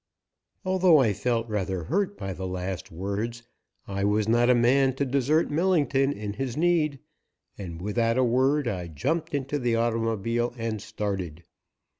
Although I felt rather hurt by the last words, I was not a man to desert Millington in his need, and without a word I jumped into the automobile and started.